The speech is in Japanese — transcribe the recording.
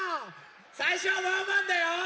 さいしょはワンワンだよ！